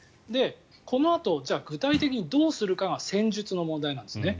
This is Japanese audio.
このあと、じゃあ具体的にどうするかが戦術の問題なんですね。